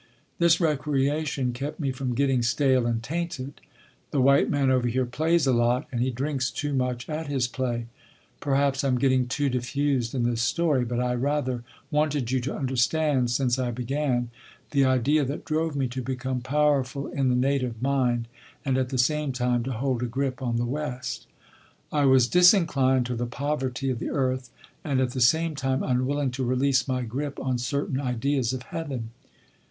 This recreation kept me from getting stale and tainted. The white man over here plays a lot, and he drinks too much at his play. Perhaps I’m getting too diffused in this story, but I rather wanted you to understand, since I began, the idea that drove me to become powerful in the native mind and at the same time to hold a grip on the West. I was disinclined to the poverty of the earth and at the same time unwilling to release my grip on certain ideas of Heaven.